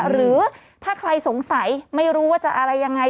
หรือถ้าใครสงสัยไม่รู้ว่าจะอะไรยังไง